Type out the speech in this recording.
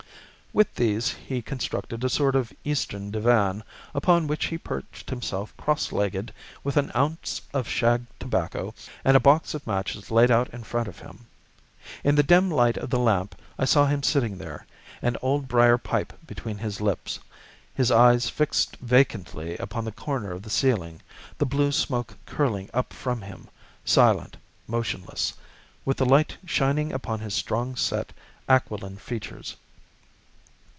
With these he constructed a sort of Eastern divan, upon which he perched himself cross legged, with an ounce of shag tobacco and a box of matches laid out in front of him. In the dim light of the lamp I saw him sitting there, an old briar pipe between his lips, his eyes fixed vacantly upon the corner of the ceiling, the blue smoke curling up from him, silent, motionless, with the light shining upon his strong set aquiline features.